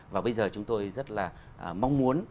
và bây giờ chúng tôi rất là mong muốn